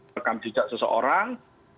rekam cicak seseorang